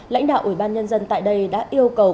lãnh đạo ủy ban nhân dân tại đây đã yêu cầu